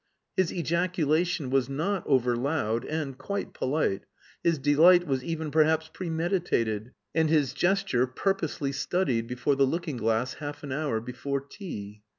His ejaculation was not over loud and quite polite, his delight was even perhaps premeditated, and his gesture purposely studied before the looking glass half an hour before tea.